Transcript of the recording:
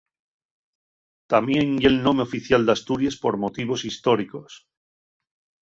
Tamién ye'l nome oficial d'Asturies por motivos históricos.